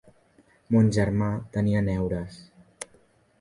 Mon germà tenia neures.